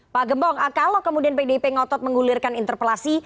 pak gembong kalau kemudian pdip ngotot menggulirkan interpelasi